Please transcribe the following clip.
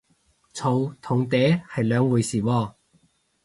嘈同嗲係兩回事喎